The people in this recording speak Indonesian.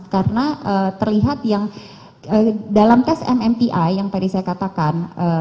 karena terlihat yang dalam tes mmpi yang tadi saya katakan